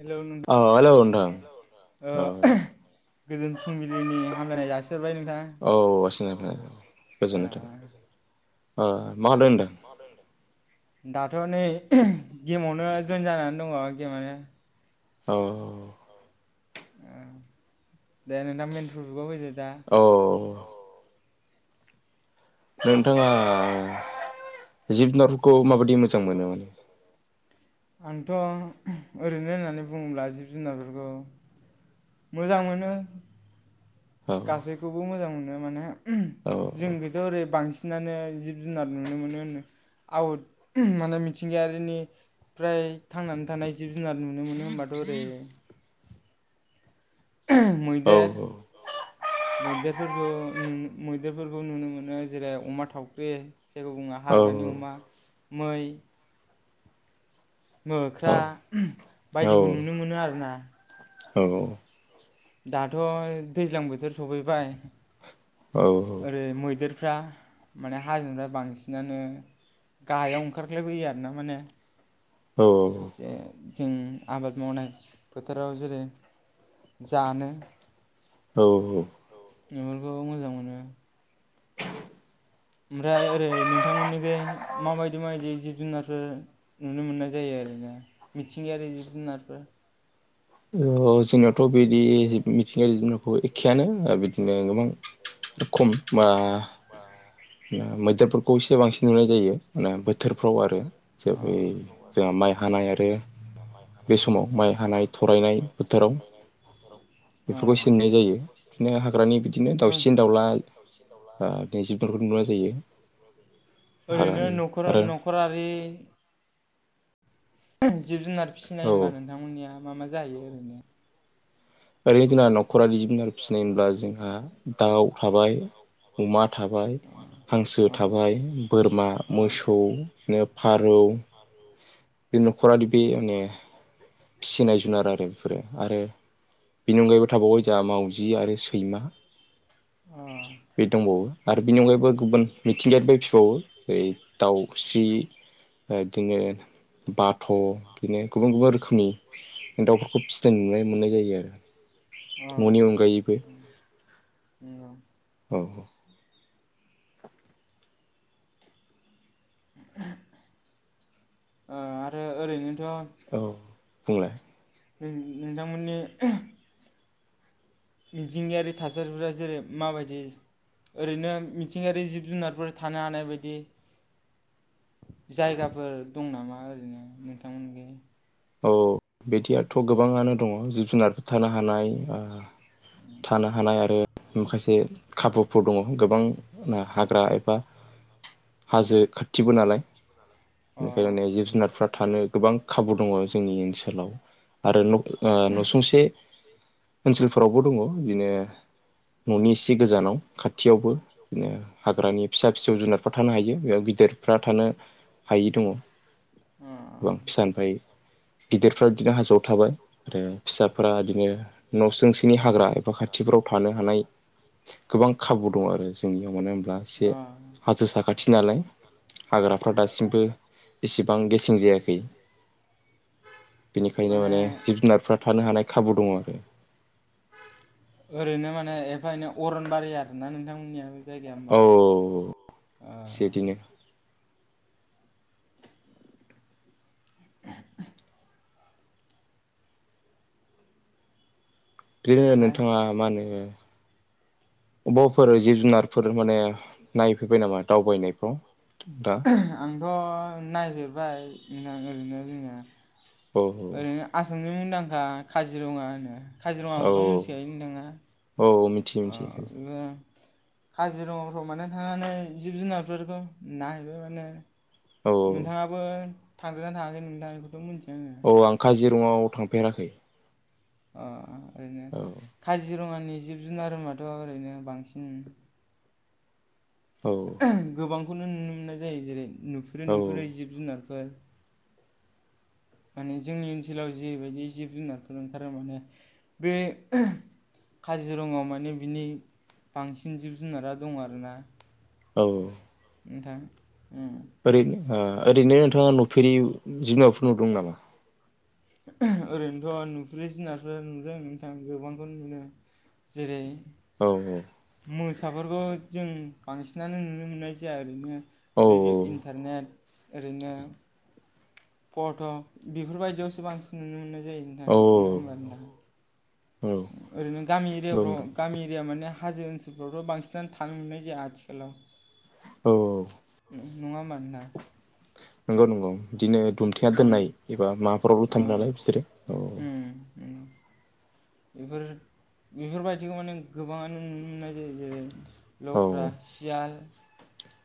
Hello नों औ अ हेलौ नोंथां नोंथां औ ओ गोजोन फुंबिलिनि हामलायनाय जासि सिखारबाय ओ नोंथां लौ ओ अह' मा होनदों दों दाथ' नै गेमावनो जयन जानानै दङ गेमानो औ औ ओ दे नोंथां मेन टपिकाव फैदो दा औ नोंथाङा जिब जुनारफोरखौ माबायदि मोजां मोनो? आंथ' ओरैनो होननानै बुङोब्ला जिब जुनारफोरखौ मोजां मोनो औ गासैखौबो मोजां मोन ओ माने औ जोंनिखैथ' ओरै बांसि सिनानो जिब जुनार नुनो मोनो होनो आउट माने मिथिंगायारिनिफ्राय थांनानै थानाय जिब जुनार नुनो मोनो होनबाथ' ओरै औ मैदेर औ मैदेरफोरखौ नुनो मैदेरफोरखौ नुनो मोनो जेरै अमा थावख्रि जेबो बुङा औ हाग्रानि अमा मै मोख्रा औ औ बायदिखो नुनो मोनो आरो ना औ दाथ दैज्लां बोथोर सफैबाय औ औ ओरै मैदेर फ्रा माने हाजोनिफ्राय बांसिनानो गाहायाव ओंखारख्लायबोयो आरो ना माने औ औ जे जों आबाद मावनाय फोथाराव जेरै जानो औ औ इफोरखौ मोजां मोनो। ओमफ्राय ओरै नोंथांमोनखै माबायदि माबायदि जिब जुनारफोर नुनो मोननाय जायो आरोना मिथिंगायारि जिब जुनारफोर ओ जोंनियावथ बिदि मिथिंगायारि जुनख एखेयानो ओ बिथिनो गोबां [inaudible] खम मा मा नो मैदेरफोरखौ एसे बांसिन नुनाय जायो। माने बोथोरफ्राव आरो जै अ जोंहा माइ हानाय आरो बे समाव माइ हानाय फरायनाय बोथाराव बेफोरखौ एसे नुनाय जायो। बिदिनो हाग्रानि बिदिनो अ दाउसिन दाउला ओ नैजिबफोरखौ नुनाय जायो हाग ओ नखरा नखरारि जिब जुनार फिसिनाय औ होनबा नोंथांमोननिया मा मा जाहैयो ओरैनो ओरैनो जोंना न खखरानि जुनार फिसिनाय होनब्ला जोंहा दाव थाबाय अमा थाबाय हांसो अ थाबाय बोरमा मोसौ नो फारौ बे नखरारि बे नो फिसिनाय जुनार आरो बेफोरो आरो बेनि अनगायैबो थाबावबाय जोंहा मावजि आरो सैमा अ बे दंबावो। आरो बिनि अनगायैबो गुबुन मिथिंगायारि खौ बै दाव स्रि ओ दिनो बाथ बिदिनो गुबुन गुबुन रोखोमनि दावफोरखौ फिसिनाय नुनाय मोननाय जायो आरो ननि अनगायैबो नोंगौ औ औ ओ आरो ओरैनो [unintelligible] औ बुंलाय नों-नोंथांमोननि मिथिंगायारि थासारिफोरा जेरै माबायदि ओरैनो मिथिंगायारि जिब-जुनारफोर थानो हानाय बायदि जायगाफोर दं नामा ओरैनो नोंथांमोनखै? औ बिदियाथ' गोबाङानो दङ जिब-जुनारफोर थानो हानाय ओ थानो हानाय आरो माखासे खाबुफोर दङ गोबां हाग्रा एबा हाजो खाथिबो नालाय अ बेखायनो जिब-जुनारफ्रा थानो गोबां खाबु दङ। जोंनि ओनसोलाव आरो न' ओ नसुंसे ओनसोलफोरावबो दङ बिदिनो न'नि एसे गोजानाव खाथियावबो बिदिनो हाग्रानि फिसा फिसौ जुनारफ्रा थानो हायो बेयाव गिदिरफ्रा थानो हायि दङ। अ गोबां फिसानिफ्राय गिदिरफ्रा बिदिनो हाजोआव थाबाय आरो फिसाफ्रा बिदिनो नसुंसेनि हाग्रा एबा खाथिफोराव थानो हानाय गोबां खाबु दं आरो जोंनियाव मानो होनब्ला एसे अ हाजो साखाथि नालाय हाग्राफ्रा दासिमबो एसेबां गेसें जायाखै। बेनिखायनो माने जिब जुनारफ्रा थानो हानाय खाबु दङ आरो ने एफा एनै अर'न बारि आरो ना नोंथांमोननियाबो जायगाया होमबा। औ सेदिनो [unintelligible] इदिनो ओमफ्राय नोंथाङा मा होनो अबावफोर जिब जुनार फोर माने नायफैबाय नामा दावबायनायफ्राव दा? थ नायगिरबाय नागिरनाया जोंना औ औ सामनि मुंदांखा काजिरङा होनो। काजिरङाखौथ मिथिखायो नोंथाङा थियो अ मिथियोखायनो बेबो काजिरङाफ्राव माने थांनानै जिब-जुनारफोरखौ नाहैबाय माने औ नोंथाङाबो थांगोना थाङाखै नोंथां इखौथ मोनथि अ आं खाजि जिरङआव थांफेराखै। अ ओरैनो औ काजिरङानि जिब-जुनार होनबाथ' ओरैनो बांसिन औ गोबां खौनो नुनो मोननाय जायो जेरै नुफेरै औ नुफेरै जिब जुनार फोर माने जोंनि ओन्सोलाव जिबायदि जिब जुनारफोर ओंखारो माने बे काजिरङायाव माने बिनि बांसिन जिब जुनारा दं आरोना। औ। नोंथां उम। ओरैनो ओ ओरैनो नोंथाङा नुफेरि जुनाफोर नुदों नामा? ओरैनोथ नुफैरै जुनारफोर नुदों नोंथां गोबांखौनो नुनो। जेरै औ औ। मोसाफोरखौ जों बांसिनानो नुनो मोन्नाय जाया ओरैनो औ रेडि इन्टारनेट ओरैनो फट' बेफोरबायदियावसो बांसिन नुनो मोन्नाय जायो नोंथां औ नङा होमबा। औ नंगौ ओरैनो गामि एरियाफ्राव नोंथां गामि एरिया माने हाजो ओन्सोलफ्रावथ बांसिनानो थानो मोन्नाय जाया आथिखालाव। औ औ। नङा होमबा नोंथां? नोंगौ नोंगौ इदिनो दुमथेना उम दोन्नाय एबा माबाफोरावल ओ थां नालाय बिसोरो औ उम बेफोर बेफोरबायदिखौ माने गोबाङानो नुनो मोन्नाय जायो जेरै औ लख्रा सियाल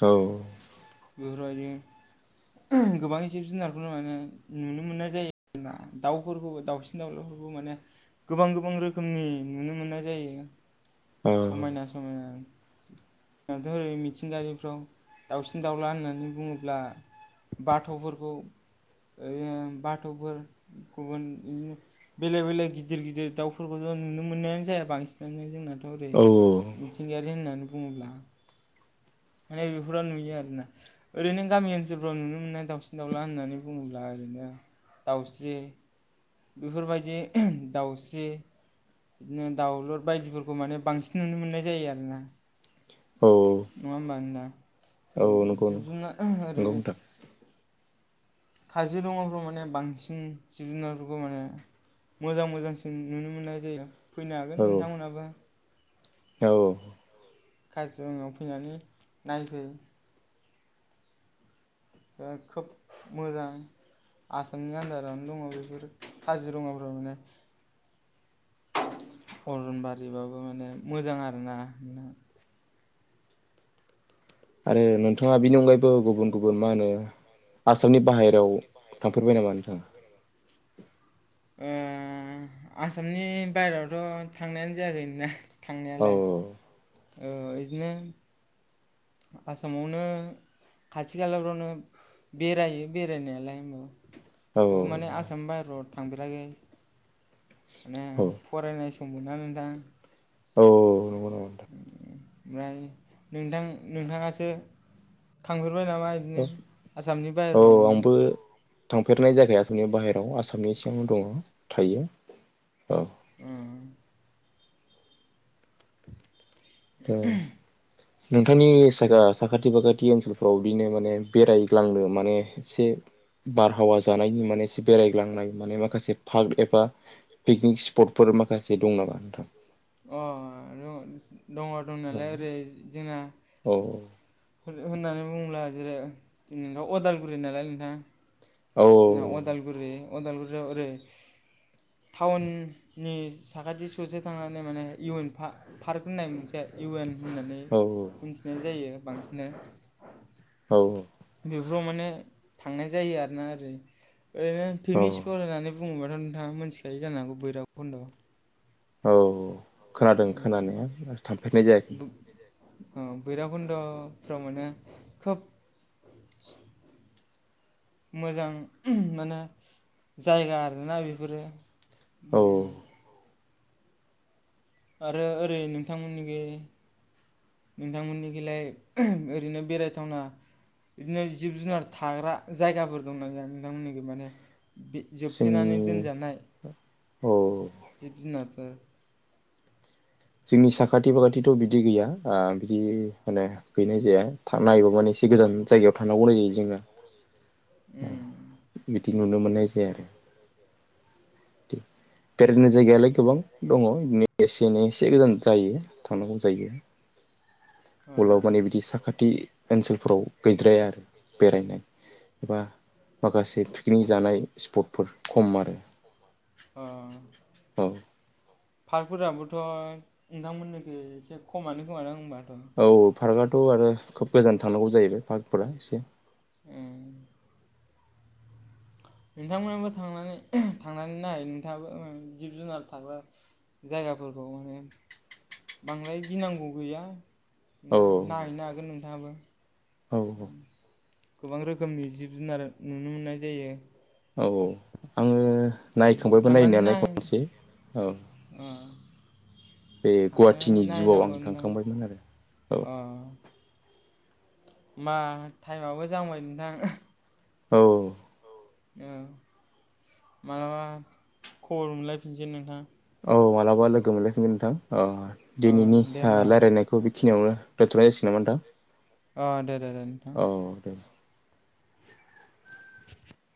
औ। बेफोरबायदि गोबां जिब जुनारफोर माने नुनो मोन्नाय जायो आरोना दाउफोरखौबो दाउसिन दाउलाफोरखौ माने गोबां गोबां रोखोमनि नुनो मोन्नाय जायो। औ समायना समायना। जोंथ ओरै मिथिंगारिफ्राव दाउसि न दाउला होन्नानै बुङोब्ला बाथ'फोरखौ ओ बाथ'फोर गुबुन बिदिनो बेलेग बेलेग गिदिर गिदिर दाउफोरखौ नुनो मोन्नायानो जाया बांसिनानो जोंनाथ। रै औ मिथिंगायारि होन्नानै बुङोब्ला माने बेफोर नुयो आरो ना। ओरैनो गामि ओन्सोलफ्राव नुनो मोन्नाय दाउसिन दाउला होन्नानै बुङोब्ला ओरैनो दाउस्रि, बेफोरबायदि दाउस्रि बिदिनो दाउलुद बायदिफोरखौ माने बांसिन नुनो मोन्नाय जायो आरोना। औ औ नङा होनबा नोंथां? औ नंगौ जिब नंगौ जुन्ना ओरैनो नोंथां काजिरङाफ्राव माने बांसिन जिब जुनारफोरखौ माने मोजां मोजांसिन नुनो मोन्नाय जायो। फैनो हागोन नोंथांमोनाबो। औ औ। काजिरङायाव फैनानै नायफै। खोब मोजां आसामनि आन्दारावनो दङ बेफोर काजिरङाफोराव माने। अरन बारिबाबो माने मोजां आरोना। आरो नोंथाङा बेनि अनगायैबो गुबुन गुबुन मा होनो आसामनि बाहेरायाव थांफेरबाय नामा नोंथाङा? आसामनि बायेरायावथ थांनायानो जायाखै औ थांनायालाय ओ इदिनो आसामावनो खाथि खालाफ्रावनो बेरायो बेरायनायालाय होनबा। औ माने आसामनि बायराव थांफेराखै माने औ फरायनाय सम सम मोना नोंथां। औ नंगौ नंगौ नोंथां। ओमफ्राय नोंथां नोंथाङासो थांफेर बाय नामा इदिनो नोंथां आसामनि औ बाहेरफ्राव माने? आंबो थांफेरनाय जाखायाखैनो बाहेराव आसा सामनि सिङावनो दङ'। थायो औ। ओम। [unintelligible] द नोंथांनि साखा-साखाथि फाखाथि ओनसोलफ्राव बिदिनो माने बेरायग्लांनो माने एसे बारहावा जा पार्क एबा पिकनिक स्पटफोर माखासे दं नामा नोंथां [unintelligible] दङ' औ दंनायालाय ओरै जोंना औ होन-होननानै बुङोब्ला जेरै जोंनाथ अदालगुरि नालाय नोंथाङा। औ जोंना अदालगुरि। अदालगुरियाव ओरै टाउननि साखाथि ससे थांनानै माने इउ एन पा-पार्क होननाय मोनसे इउ एन होननानै औ मिन्थिनाय जायो। बांसिनो। अ बेफोराव माने थांनाय जायो आरोना ओरै ओरैनो पिकनिक औ स्पट होनानै बुङोबाथ' नोंथाङा मोन्थिखायो जानो हागौ बैराब खन्द। औ। खोनादों खोनानाया थांफेरनाय जायाखै। ओ बैराखन्द फ्राव मोनो खोब मोजां माने जायगा आरोना बेफोरो औ। आरो ओरै नोंथांमोननिखै नोंथांमोननिखैलाय ओरैनो बेरायथावना बिदिनो जिब जुनार थाग्रा जायगाफोर दंना गैया नोंथांमोननिखै माने बे जोबथेनानै जोंनि दोनजानाय औ जोंनि जिब जुनार। [unintelligible] जोंनि साखाथि फाखाथिथ' बिदि गैया आ बिदि माने गैनाय जाया था नायगो मानि एसे गोजान जायगायाव थानांगौ जायो जोङो। आ उम बिदि नुनो मोननाय जाया आरो दे बेरायनो जायगायालाय गोबां दङ [unintelligible] जोंना एसे गोजान जायो थांनांगौ जायो ओ वलाव माने बिदि साखाथि ओनसोलफोराव गैद्राया आरो बेरायनाय एबा माखासे पिकनिक जानाय स्पटफोर खम आरो औ। फार्क फोराबोथ' नोंथांमोननिखै एसे खमानो खोमादां होमबा। औ फार्कआ थ आरो खोब गोजान थांनांगौ जाहैबाय पार्कफोरा एसे उम नोंथांमोनहाबो थांनानै थांनानै नायै नोंथाङाबो जिब जुनार थाग्रा जायगाफोरखौ माने बांद्राय गिनांगौ गैया। औ [unintelligible] नायहैनो हागोन नों। थाङाबो। औ गोबां रोखोमनि जिब जुनार नुनो मोननाय जायो। औ औ आङो उम नायखांबायबो थांनानै नायनायालाय नाय खनसे औ ओ बे थांनानै गुवाहाटिनि जुआव आं नायनांगौ नोंथां थांखांबायमोन आरो औ मा टाइमाबो जांबाय नोंथां औ औ मालाबा खबर मोनलायफिनसै नोंथां। औ मालाबा लोगो मोनलायफिनगोन नोंथां। दिनैनि अ दे होमबा रायज्लायनायखौ बेखिनियावनो [unintelligible] नामा नोंथां अ दे दे नोंथां औ दे। [inaudible]